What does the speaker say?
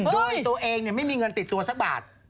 โดยตัวเองไม่มีเงินติดตัวสักบาท